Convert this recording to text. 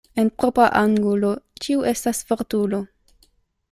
En propra angulo ĉiu estas fortulo.